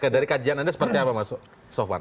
dari kajian anda seperti apa mas sofwan